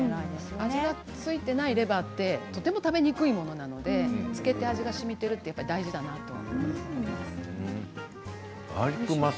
味が付いていないレバーってとても食べにくいものなので漬けて味がしみているのは大事だなと思います。